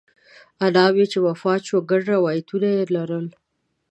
انا مې چې وفات شوه ګڼ روایات یې لرل.